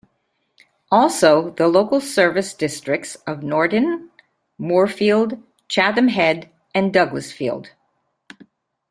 Also the local service districts of Nordin, Moorefield, Chatham Head, and Douglasfield.